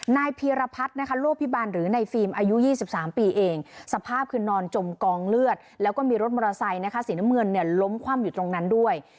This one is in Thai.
นายพีรพัฒน์นะคะโลกพิบันหรือในฟิล์มอายุ๒๓ปีเองสภาพคือนอนจมกองเลือดแล้วก็มีรถมอเตอร์ไซค์นะคะสีน้ำเงินเนี่ยล้มคว่ำอยู่ตรงนั้นด้วย